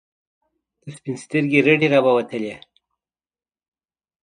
د سپین سترګي رډي راووتلې.